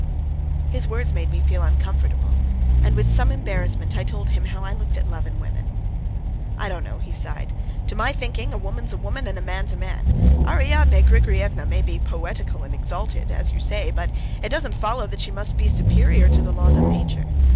His words made me feel uncomfortable, and with some embarrassment I told him how I looked at love and women. "I don't know," he sighed; "to my thinking, a woman's a woman and a man's a man. Ariadne Grigoryevna may be poetical and exalted, as you say, but it doesn't follow that she must be superior to the laws of nature.